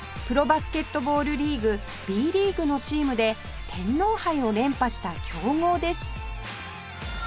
プロバスケットボール Ｂ リーグのチームで天皇杯を連覇した強豪です